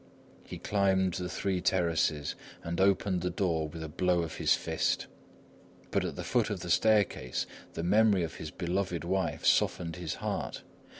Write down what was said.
He climbed the three terraces and opened the door with a blow of his fist; but at the foot of the staircase, the memory of his beloved wife softened his heart.